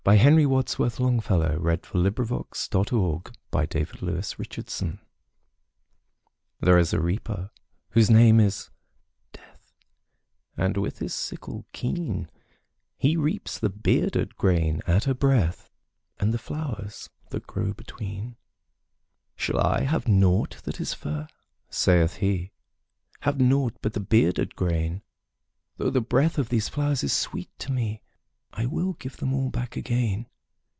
Henry Wadsworth Longfellow The Reaper And The Flowers THERE is a Reaper whose name is Death, And, with his sickle keen, He reaps the bearded grain at a breath, And the flowers that grow between. ``Shall I have nought that is fair?'' saith he; ``Have nought but the bearded grain? Though the breath of these flowers is sweet to me, I will give them all back again.''